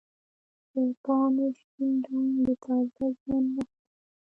د پاڼو شین رنګ د تازه ژوند نښه ده.